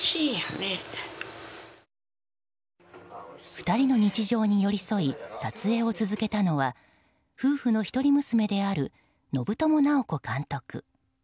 ２人の日常に寄り添い撮影を続けたのは夫婦の一人娘である信友直子監督。